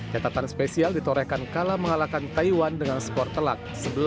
catatan spesial ditorehkan kalah mengalahkan taiwan dengan skor telak sebelas